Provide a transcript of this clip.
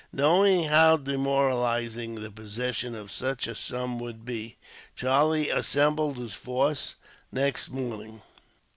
Knowing how demoralizing the possession of such a sum would be, Charlie assembled his force next morning.